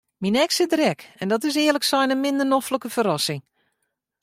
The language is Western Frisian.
Myn eks is der ek en dat is earlik sein in minder noflike ferrassing.